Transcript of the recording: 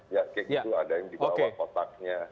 ya kayak gitu ada yang di bawah kotaknya